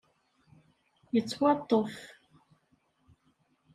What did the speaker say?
Yettwaṭṭef.